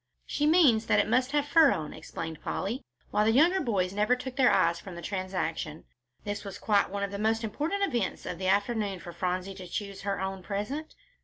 "She means that it must have fur on," explained Polly, while the younger boys never took their eyes from the transaction. This was quite one of the most important events of the afternoon for Phronsie to choose her own present.